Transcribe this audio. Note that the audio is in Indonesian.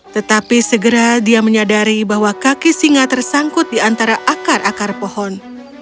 tetapi segera dia menyadari bahwa kaki singa tersangkut di antara akar akar pohon